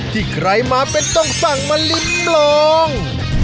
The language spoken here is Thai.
ที่ใครมาเป็นต้องสั่งมาริมลอง